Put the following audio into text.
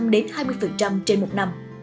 một mươi năm đến hai mươi trên một năm